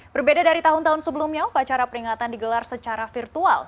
berbeda dari tahun tahun sebelumnya upacara peringatan digelar secara virtual